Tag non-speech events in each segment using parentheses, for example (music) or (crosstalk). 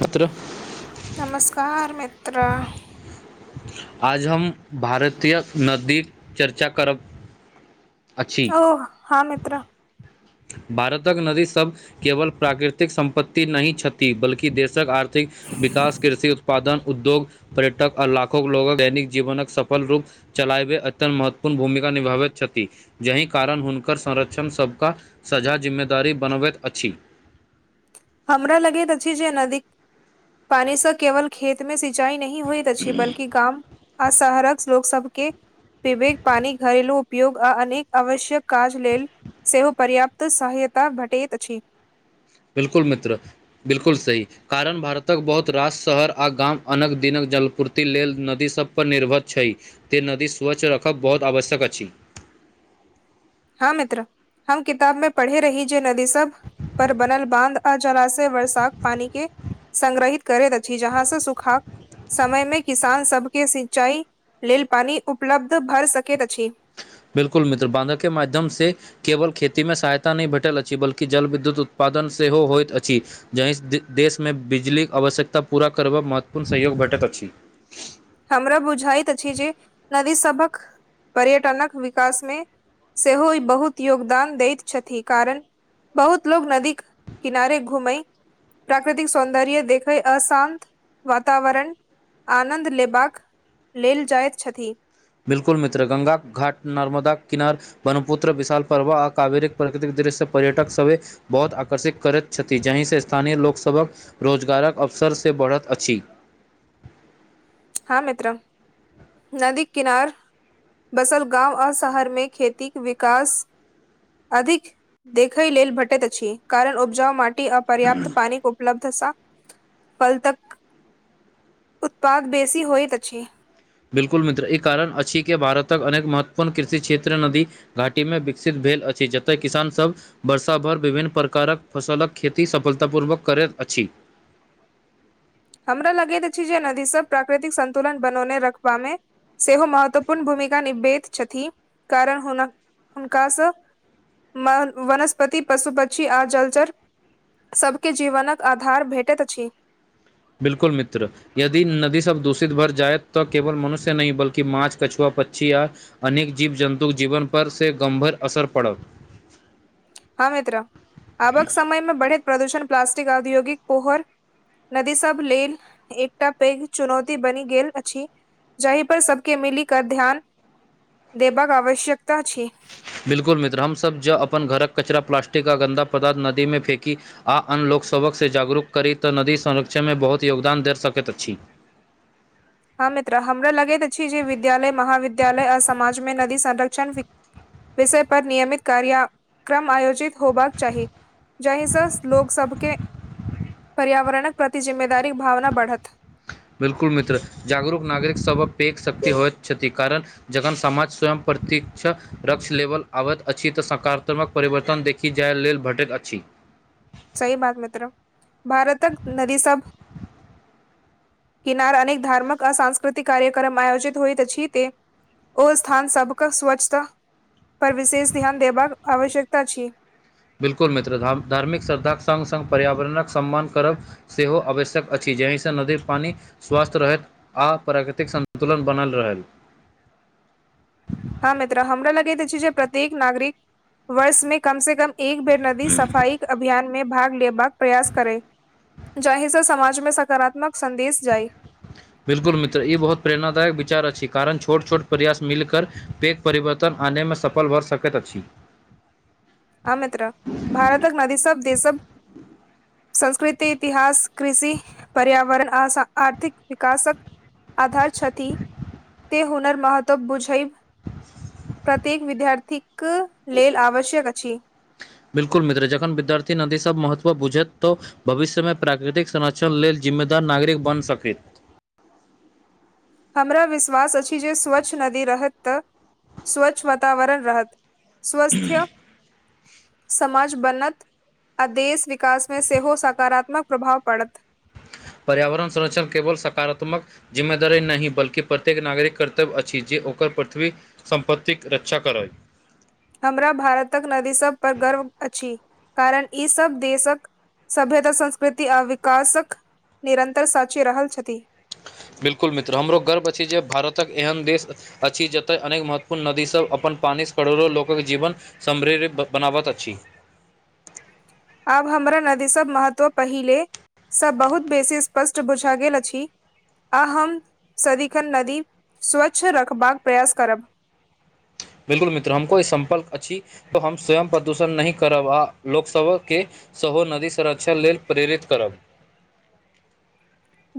मित्र। नमस्कार मित्र। आज हम भारतीय नदी कऽ चर्चा करब। अछि ओ हँ मित्र। भारतक नदी सभ केवल प्राकृतिक सम्पत्ति नहि छथि, बल्कि देशक आर्थिक। विकास, कृषि उत्पादन, उद्योग। पर्यटक आ लाखो लोको दैनिक जीवनक सफल रूप। चलायबे अत्यंत महत्वपूर्ण भूमिका निभावैत छथि। जाहि कारण हुनकर संरक्षण सभक सझा जिम्मेदारी बनबैत अछि। हमरा लगैत अछि जे नदी पानी से केवल खेत मे सिंचाई नहि होइत। बल्कि गाँम आ शहरक लोक सबके। पिवैक पानि घरेलु उपयोग आ अनेक आवश्यक काज लेल। सेहो पर्याप्त सहायता भेटैत अछि। बिल्कुल मित्र, बिल्कुल सही। कारण भारतक बहुत रास शहर आ गाम अन्नक-दिनक जलपूर्ति लेल नदी सभपर निर्भर छै। तें नदी स्वच्छ रखब बहुत आवश्यक अछि। हँ मित्र, हम किताब में पढ़े रही छै नदी सब। पर बनल बाँध आ जलाशय वर्षाक पानी के। संगग्रहित करैत अछि जहाँ से सुखा। समय में किसानसभ के सिंचाइ लेल पानि उपलब्ध भऽ सकैत अछि। बिल्कुल मित्र, बाँध के माध्यम से। केवल खेती में सहायता नहि भेटल अछि, बल्कि जल- विद्युत उत्पादन सेहो होयइत अछि। जाहिसे देश में बिजलीक आवश्यकता पूरा करबा महत्वपूर्ण सहयोग भेटैत अछि। हमरा बुझाइत अछि जे नदि सबहक। पर्यटनक विकास में सेहो बहुत योगदान दैत छथि, कारण। बहुत लोग नदी किनारे घूमैइ। प्राकृतिक सौन्दर्य देखै, आ शान्त वातावरण आनंद ले। बाक लेल जाइत छथि। बिल्कुल मित्र, गङ्गा घाट, नर्मदा किनार। बनपुत्र विशाल परव आ कावेरिक प्रकृतिक दृश्य पर्यटक सबे। बहुत आकर्षित करैत छथि, जहि से स्थानीय लोकसभक। रोजगारक अवसर से बढ़त अछि। हँ मित्र, नदी किनार। बसल गाँव आओर शहर में खेती विकास। अधिक देखय लेल भटेैत अछि, कारण उपजाऊ माट। अपरर्याप्त पानी के उपलब्ध सा फल तक उत्पाद। बेसी होइत अछी। बिल्कुल मित्र, ई कारण अछि के भारतक अनेक महत्वपूर्ण कृषि क्षेत्र नदी। घाटी में विकसित भेल अछि, जतय किसानसभ। वर्षा भर विभिन्न प्रकारक फसलक खेती सफलता पूर्वक करैत अछि। हमरा लगैत अछि जे नदी सब प्राकृतिक संतुलन बनौने रखबा में। सेहो महत्वपूर्ण भूमिका निभेैत छथिन कारण हुनक हुनकासँ। वनस्पति, पशु-पक्षी आ जलचर। सभके जीवनक आधार भेटैत अछि। बिल्कुल मित्र। यदि नदी सब दूषित भर जायत तऽ केवल मनुष्य नहि बल्कि माछ, कछुआ, पक्षी या। अनेक जीव-जन्तुक जीवन पर से गम्भीर असर पड़त। हँ मित्र, आबक समय में बढ़ैत प्रदूषण प्लाास्टिक, औद्योगिक पोहर। नदी सब लेल एकटा पैघ चुनौती बनि गेल अछि। जहि पर सबके मिली कऽ ध्यान देबाक आवश्यकता छै। बिल्कुल मित्र, हम-सब जऽ अपन घरक कचरा, प्लास्टिक का गन्दा पदार्थ नदी में फेकी। आ अन्य लोकसभकसँ जागरूक करी तऽ नदी संरक्षण में बहुत योगदान दे सकैत अछि। हँ मित्र, हमरा लगैत अछि जे विद्यालय, महाविद्यालय आ समाज में नदी संरक्षण। विषय पर नियमित कार्या क्रम आयोजित होबाक चाही। जहिसँ लोक सबके पर्यावरणक प्रति जिम्मेदारी भावना बढ़त। बिल्कुल मित्र, जागरूक नागरिक सबहक पेघ शक्ति होय छथि कारण। जखन समामाज स्वयं प्रतीक्ष रक्ष लेबल आबैत अछि तऽ सकारात्मक परिवर्तन देखि। की जाय लेल भेटैत अछि। सही बात मित्र, भारतक नदी सब। किनार अनेक धार्मक आ संस्कृतिक कार्यक्रम आयोजित होइत अछि। ओ स्थान सबकऽ स्वच्छता पर विशेष ध्यान देबाक आवश्यकता छै। बिल्कुल मित्र, ध धार्मिक श्रद्धाके सङ्ग-सङ्ग पर्यावरणक सम्मान करब। सेहो आवश्यक अछि, जहिसँ नदी पानि स्वस्थ रहैत। आ प्राकृतिक संतुलन बनल रहल। (inaudible) हँ मित्र, हमरा लगैत अछि जे प्रत्येक नागरिक वर्ष में कम से कम। एक बेर नदी सफाईक अभियान। में भाग लेबाक प्रयास करै, जाहिसँ समाज में सकारात्मक संदेश जाइ। बिल्कुल मित्र, ई बहुत प्रेरणाादायक विचार अछि, कारण छोट-छोट प्रयास मिलकर पैक। परिवर्तन आनैमें सफल भऽ सकैत अछि। हँ मित्र, भारतक नदी सब देशक संस्कृति-इतिहास। कृषि, पर्यावरण आ आर्थिक विकासक। आधार छथि से हुनर महत्व बुझैब। प्रत्येक विद्यार्थीक लेल आवश्यक अछि। बिल्कुल मित्र, जखन विद्यार्थी नदी सब महत्व बुझैत तऽ। भविष्य में प्राकृतिक संरक्षण लेल जिम्मेदार नागरिक बन सकैत। हमरा विश्वास अछि जे स्वच्छ नदी रहत तऽ स्वच्छ वातावरण रहत। स्वस्थ। समाज बनत आ देश विकास में सेहो सकारात्मक प्रभाव पड़त। पर्यावरण संरक्षण केवल सकारात्मक। जिम्मेदार नहि बल्कि प्रत्येक नागरिक कर्तव्य अछि, जे ओकर पृथ्वी। सम्पत्तिक रक्षा करइ। हमरा भारतक नदी सब पर गर्व अछि, कारण ई सब देशक। सभ्यता, संस्कृति आ विकासक निरन्तर साक्षी रहल छथि। बिल्कुल मित्र, हमरो गर्व अछि जे भारतक एहन देश। अछि जतय अनेक महत्वपूर्ण नदी सब अपन पानिसँ करोड़ो लोकक जीवन। समृरि बनावत अछि। आब हमरा नदी सब महत्व पहिले। से बहुत बेसी स्पष्ट बुझऽ गेल अछि। आ हम सदिखन नदी स्वच्छ रखबाक प्रयास करब। बिल्कुल मित्र, हमको ई सम्पलक अछि तऽ हम स्वयं प्रदूषण नहि करब लोक सब के। सेहो नदी संरक्षण लेल प्रेरित करब।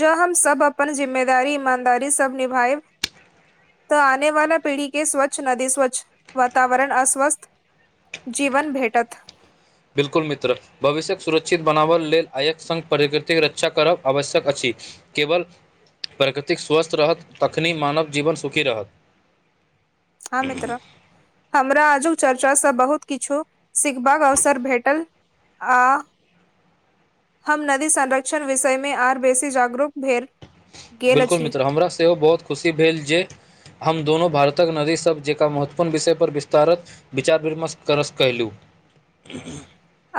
जॅ हम-सब अपन जिम्मेदारी ईमानदारी सब निभायब। तऽ आने वाला पीढ़ी के स्वच्छ नदी, स्वच्छ वातावरण आ स्वस्थ। जीवन भेटत। बिल्कुल मित्र। भविष्यक सुरक्षित बनाबय लेल आयक सङ्ग प्रकृतिक रक्षा करब आवश्यक अछि। केवल प्रकृतिक स्वस्थ रहत तखनि मानव जीवन सुखी रहत। हँ मित्र। हमरा आजुक चर्चासँ बहुत किछु सिखबाक अवसर भेटल। आ। हम नदी संरक्षण विषय में आर बेसी जागरूक भेल। गेल बिल्कुल अछि मित्र, हमरा सेहो बहुत खुशी भेल जे। हम दोनो भारतक नदी सब जेका महत्वपूर्ण विषय पर विस्तारत। विचार-विमर्श करस कयलहुँ।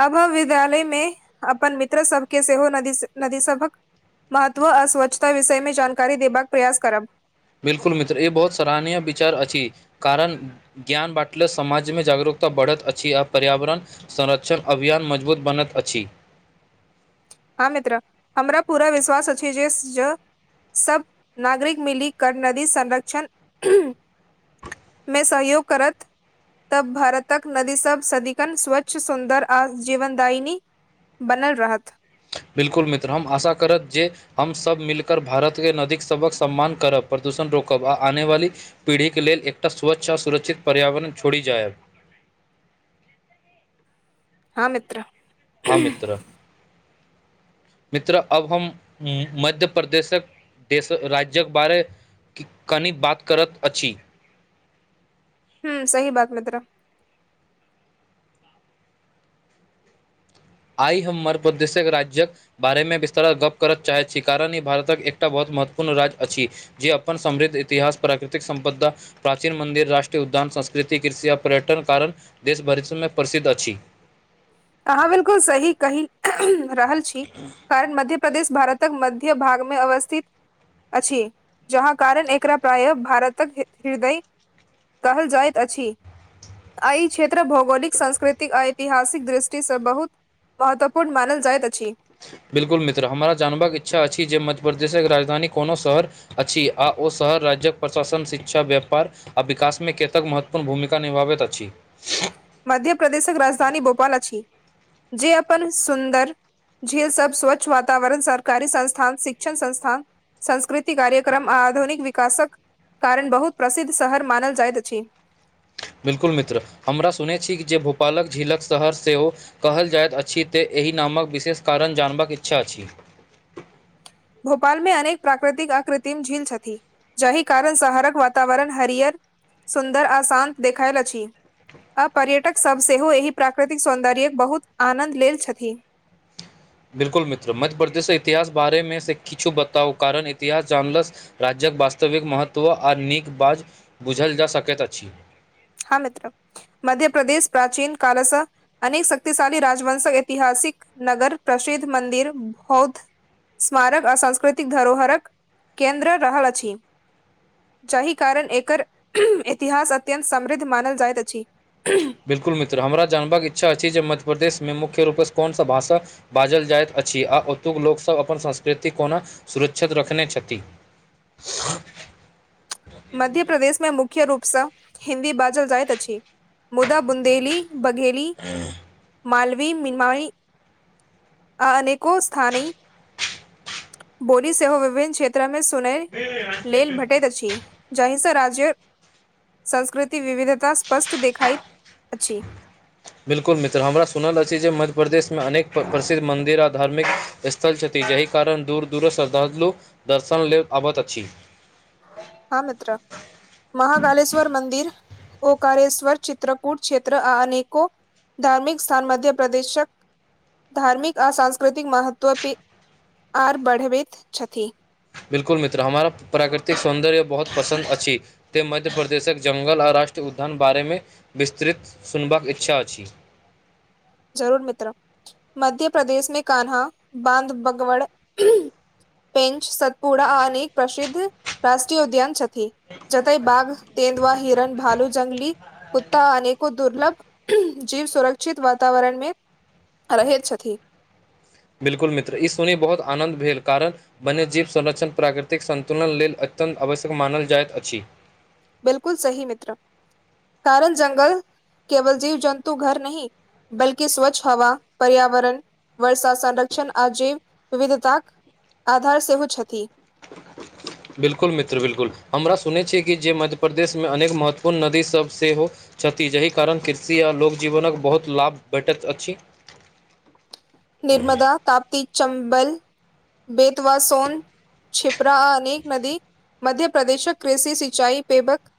अब विद्यालय में अपन मित्र सबके सेहो नदी, नदी सभहक। महत्व आ स्वच्छता विषय में जानकारी देबाक प्रयास करब। बिलकुल मित्र, ई बहुत सराहनीय विचार अछि कारण। ज्ञान बाँटले समाज मे जागरूकता बढ़ैत अछि आ पर्यावरण। संरक्षण अभियान मजबूत बनत अछि। हँ मित्र, हमरा पूरा विश्वास अछि जे। सब नागरिक मिली कर नदी संरक्षण। में सहयोग करत। तब भारतक नदी सब सदिकन स्वच्छ, सुन्दर आ जीवनदायनी। बनल रहत। बिल्कुल मित्र, हम आशा करब जे। हम सब मिलकर भारत के नदीक सबहक सम्मान करब, प्रदूषण रोकब आ आने वाली। पीढ़ीके लेल एकटा स्वच्छ आ सुरक्षित पर्यावरण छोड़ि जायब। हँ मित्र। हँ मित्र, मित्र अब हम मध्य प्रदेशक। देश, राज्यक बारे कनी बात करत अछि। हूँ, सही बात मित्र। आइ हम मध्प्रदेशक राज्यक। बारे में विस्तारा गप्प करय चाहैत छी, कारण ई भारतक एकटा बहुत महत्वपूर्ण राज्य अछि। जे अपन समृद्ध इतिहास, प्राकृतिक संपदा। प्राचीन मन्दिर, राष्ट्रीय उद्यान, संस्कृति, कृषि आ पर्यटन कारण देश भरिष में प्रसिद्ध अछि। अहाँ 'बिलकुल' सही कहि रहल छी, कारण मध्य प्रदेश भारत। (unintelligible) त मध्य भाग मे अवस्थित। अछि, जहाँ कारण एकरा प्रायः भारतक हृदय। कहल जाइत अछि, एहि क्षेत्र भौगोलिक, सांस्कृतिक आ ऐतिहासिक दृष्टि। से बहुत महत्वपूर्ण मानल जाइत अछि। 'बिल्कुल' मित्र! हमरा जानबाक इच्छा अछि जे, मध्य परदेशक राजधानी कोनो शहर। अछि, आ ओ शहर राज्यक प्रशासन शिक्षा व्यापार। आ विकासमे केतेक महत्वपूर्ण भूमिका निभाबैत अछि। (unintelligible) मध्य प्रदेशक राजधानी भोपाल अछि, जे अपन सुन्दर। झील सब, स्वच्छ वातावरण, सरकारी संस्थान, शिक्षण संस्थान। संस्कृति कार्यक्रम आ आधुनिक विकासक कारण, बहुत प्रसिद्ध शहर मानल जाइत अछि। 'बिल्कुल' मित्र! हमरा सुनैत छी जे, भोपालक झीलक शहर सेहो कहल जाइत अछि, तँ एहि नामक विशेष कारण जानबाक इच्छा अछि। भोपालमे अनेक प्राकृतिक अकृत्रिम झील छथि। जहि कारण शहारक वातावरण हरियर, सुन्दर, आ शान्त देखायल अछि। आ पर्यटकसभ सेहो एहि प्राकृतिक सौन्दर्यके बहुत आनन्द लेल छथिन। 'बिलकुल' मित्र! मध्य प्रदेश इतिहास बारे मे से किछु बताउ-? कारण इतिहास जानला राज्यक वास्तविक महत्व, आ नीक बाज बुझल जा सकैत अछि। हँ मित्र! मध्य प्रदेश प्राचीन कालसँ अनेक शक्तिशाली राजवंशक, ऐतिहासिक नगर, प्रसिद्ध मन्दिर, बौद्ध। स्मारक आ सांस्कृतिक धरोहरक केन्द्र रहल अछि। जाहि कारण एकर इतिहास अत्यन्त समृद्ध मानल जाइत अछि। (unintelligible) 'बिल्कुल' मित्र! हमरा जानबाक इच्छा अछि जे, मध्यप्रदेशमे मुख्य रूपसँ कोन सा भाषा बाजल जाइत अछि, आ ओतुक लोकसभ अपन संस्कृति कोना सुरक्षित रखने छथि? (inaudible) मध्य प्रदेश में मुख्य रूपसँ हिन्दी बाजल जाइत अछि, मुदा बुंदेेली बघेली। (unintelligible) आ अनेको स्थाने बोली सेहो विभिन्न क्षेत्रमे सुनय लेल भेटैत अछि। जाहिसँ राज्य संस्कृति विविधता स्पष्ट देखायत अछि। 'बिल्कुल' मित्र! हमरा सुनल अछि जे मध्य प्रदेशमे अनेक प्रसिद्ध मन्दिर आ धार्मिक स्थल छथि, जहि कारण दूर -दूर श्रद्धालु दर्शन लेल आबत अछि। हँ मित्र! महाकालेश्वर मन्दिर ओंकारेश्वर, चित्रकूट क्षेत्र आ अनेको धार्मिक स्थान, मध्य प्रदेशक धार्मिक आ सांस्कृतिक महत्व पे, आओर बढ़बैत छथि। बिलकुल मित्र! हमारा प्राकृतिक सौन्दर्य बहुत पसन्द अछि। तैँ मध्य प्रदेशक जङ्गल, आ राष्ट्रीय उद्यानक बारेमे विस्तृत सुनबाक इच्छा अछि। जरूर मित्र! मध्य प्रदेश मे कानहा, (inaudible) बांध बगवड़ पेंच सतपुरा आ अनेक प्रसिद्ध राष्ट्रीय उद्यान छथि। जतय बाघ, तेंदूआ, हिरण, भालू, जंगली कुत्ता आ अनेको दुर्लभ जीव सुरक्षित वा (inaudible) वातावरण मे रहेत छथि। बिलकुल मित्र! ई सुनी बहुत आनन्द भेल, कारण वन्यजीव, संरक्षण प्राकृतिक संन्तुलन लेल अत्यन्त आवश्यक मानल जाइत अछि। बिल्कुल सही मित्र, कारण जंगल केवल जीव जन्तु घर नहि। बल्कि स्वच्छ हवा, पर्यावरण। वर्षा संरक्षण आ जैव विविधताक आधार सेहो छथि। बिल्कुल मित्र, बिल्कुल हमरा सुनै छी कि जे मध्य प्रदेश में अनेक महत्वपूर्ण नदी सभ सेहो। छथि, जाहि कारण कृषि आ लोकजीवनक बहुत लाभ भेटैत अछि। नर्मदा, ताप्ति, चम्बल, बेतवा, सोन। छिप्रा आ अनेक नदी मध्य प्रदेशक कृषि सिंचाई पेबक।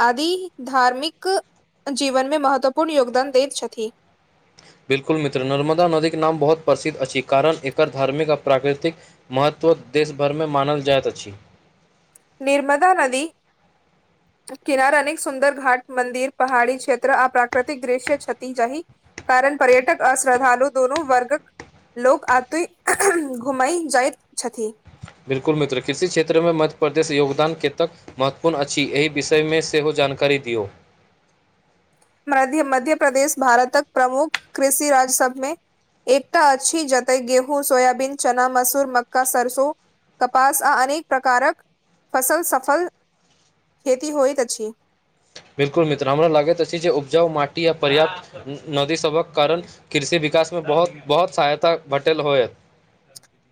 आदि धार्मिक जीवन में महत्वपूर्ण योगदान दैत छथि। बिल्कुल मित्र, नर्मदा नदीके नाम बहुत प्रसिद्ध अछि कारण एकर धार्मिक आ प्राकृतिक। महत्व देश भरिमें मानल जाइत अछि। नर्मदा नदी। के किनारा नहि सुन्दर घाट, मन्दिर पहाड़ी क्षेत्र आ प्राकृतिक दृश्य छथिन जाही। कारण पर्यटक आ श्रद्धालु दुनू वर्गक। लोक अतय घुमय जाइत छथि। बिल्कुल मित्र, कृषि क्षेत्रमें मध्य प्रदेश योगदान केतक। महत्वपूर्ण अछि, एहि विषय में सेहो जानकारी दियौ। मध्य, मध्य-प्रदेश भारतक प्रमुख कृषि राज्य सभमें। एकटा अछी जतए गेहूँ, सोयाबीन, चना, मसूर, मक्का सरसों। कपास आ अनेक प्रकारक फसल सफल खेती होइत अछि। बिल्कुल मित्र, हमरा लागैत अछि जे उपजाउ माटि आ पर्याप्त। नदी सभक कारण कृषि विकास में बहुत-बहुत सहायता भेटल होयत।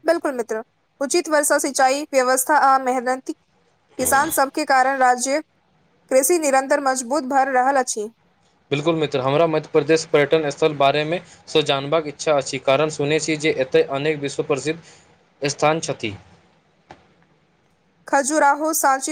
बिल्कुल मित्र, उचित वर्षा, सिंचाई, व्यवस्था आ मेहनति। किसानसभके कारण राज्य कृषि निरन्तर मजबूत भऽ रहल अछि। बिल्कुल मित्र, हमरा मध्य प्रदेश पर्यटन स्थल बारे में। सॅ जानबाक इच्छा अछि, कारण सुनै छी जे एतय अनेक विश्व प्रसिद्ध स्थान छथि। खजूराहो, सांची।